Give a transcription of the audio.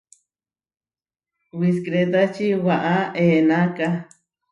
Wiskrétači waʼá eʼenáka.